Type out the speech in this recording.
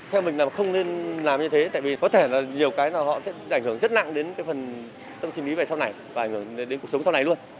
theo mình là không nên làm như thế tại vì có thể là nhiều cái là họ sẽ ảnh hưởng rất nặng đến cái phần tâm sinh lý về sau này và ảnh hưởng đến cuộc sống sau này luôn